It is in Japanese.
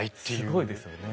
すごいですよね。